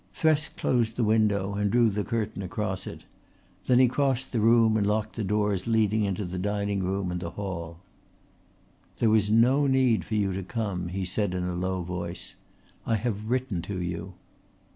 Thresk closed the window and drew the curtain across it. Then he crossed the room and locked the doors leading into the dining room and hall. "There was no need for you to come," he said in a low voice. "I have written to you."